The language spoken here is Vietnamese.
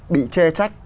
bị chê trách